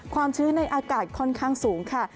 ชื้นในอากาศค่อนข้างสูงค่ะ